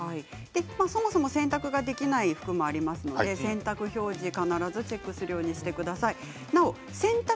そもそも洗濯ができない服もありますので洗濯表示、必ずチェックするようにしてください。